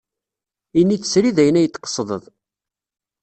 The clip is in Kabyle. Ini-d srid ayen ay d-tqesdeḍ.